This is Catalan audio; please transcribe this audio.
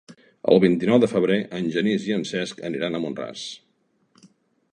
El vint-i-nou de febrer en Genís i en Cesc aniran a Mont-ras.